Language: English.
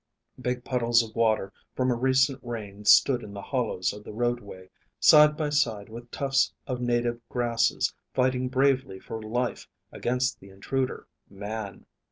Big puddles of water from a recent rain stood in the hollows of the roadway, side by side with tufts of native grasses fighting bravely for life against the intruder Man.